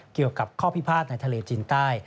เกี่ยวกับข้อพิพาทในทะเลจีนใต้